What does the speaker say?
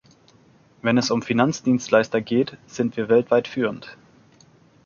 Wenn es um Finanzdienstleister geht, sind wir weltweit führend.